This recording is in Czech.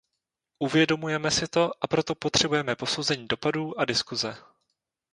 Uvědomujeme si to, a proto potřebujeme posouzení dopadů a diskuse.